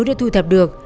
đã thu thập được